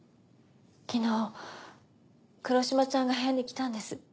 昨日黒島ちゃんが部屋に来たんです。